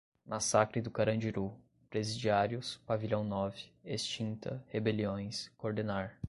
massacre do Carandiru, presidiários, pavilhão nove, extinta, rebeliões, coordenar